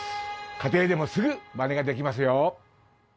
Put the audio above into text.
家庭でもすぐマネができますよ。